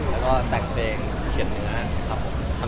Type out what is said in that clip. แล้วก็แต่งเพลงเขียนเนื้อครับผม